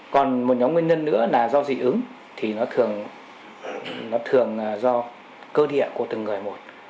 còn một nhóm nguyên nhân nữa là do dị ứng thì nó thường nó thường do cơ địa của từng người một